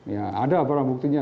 ya ada barang buktinya